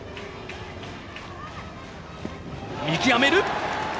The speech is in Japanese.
見極める。